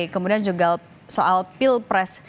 kemudian juga soal pilpres